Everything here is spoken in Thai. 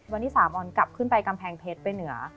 วันที่๓ออนกลับขึ้นไปกำแพงเพชรไปเหนือ